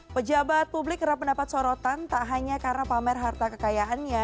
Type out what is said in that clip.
pejabat publik kerap mendapat sorotan tak hanya karena pamer harta kekayaannya